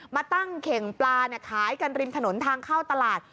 มาตั้งเข่งปลาขายกันริมถนนทางเข้าตลาด